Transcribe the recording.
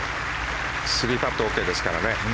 ３パットＯＫですからね。